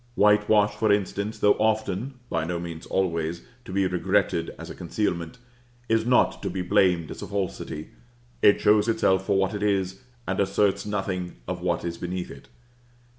Whitewash, for instance, though often (by no means always) to be regretted as a concealment, is not to be blamed as a falsity. It shows itself for what it is, and asserts nothing of what is beneath it.